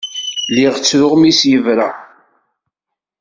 Lliɣ ttruɣ mi as-yebra.